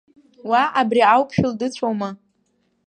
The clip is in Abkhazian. Уа, абри ауԥшәыл дыцәоума?